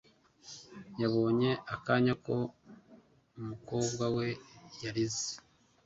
Yabonye akanya ko umukobwa we yarize